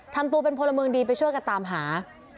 ทำตัวเป็นพลเมืองดีไปช่วยกันตามหา